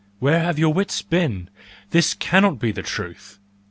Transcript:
Where have your wits been! This cannot be the truth!